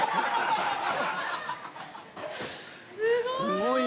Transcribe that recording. すごい！